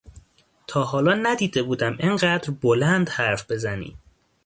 تا حالا ندیده بودم انقدر بلند حرف بزنی